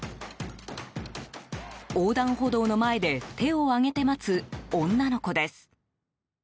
横断歩道の前で手を上げて待つ女の子です。